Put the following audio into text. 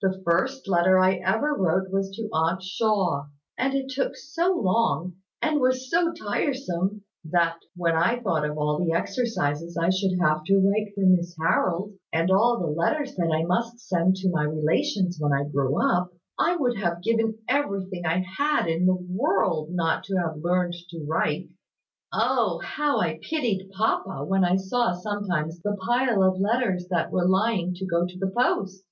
"The first letter I ever wrote was to Aunt Shaw; and it took so long, and was so tiresome, that, when I thought of all the exercises I should have to write for Miss Harold, and all the letters that I must send to my relations when I grew up, I would have given everything I had in the world not to have learned to write. Oh! How I pitied papa, when I saw sometimes the pile of letters that were lying to go to the post!"